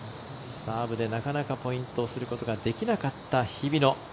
サーブでなかなかポイントすることができなかった日比野。